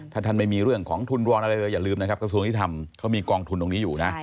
ถ้าท่านไม่มีเรื่องของทุนวอนอะไรเลยอย่าลืมนะครับกระทรวงยุทธรรมเขามีกองทุนตรงนี้อยู่นะ